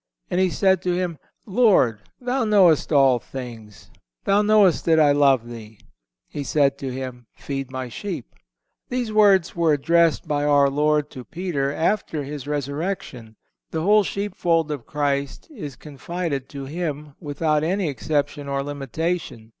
And he said to Him: Lord, Thou knowest all things. Thou knowest that I love Thee. He said to him: Feed My sheep."(158) These words were addressed by our Lord to Peter after His resurrection. The whole sheep fold of Christ is confided to him, without any exception or limitation.